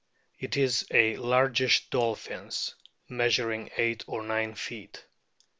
It is a largish dolphin, measuring eight or nine feet.